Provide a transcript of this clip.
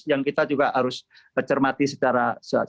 yang kita juga harus cermati secara